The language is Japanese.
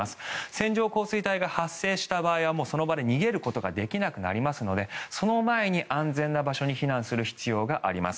線状降水帯が発生した場合はその場で逃げることができなくなりますのでその前に安全な場所に避難する必要があります。